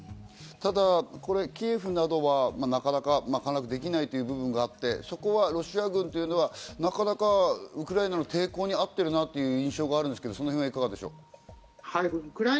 ただキエフなどは、なかなか陥落できない部分があって、そこはロシア軍というのは、なかなかウクライナの抵抗にあっているなという印象があるんですが、いかがですか？